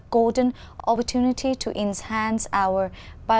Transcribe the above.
với đối phương với hà nội